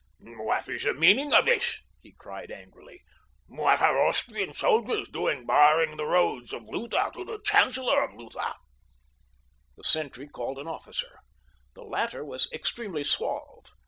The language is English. "What is the meaning of this?" he cried angrily. "What are Austrian soldiers doing barring the roads of Lutha to the chancellor of Lutha?" The sentry called an officer. The latter was extremely suave.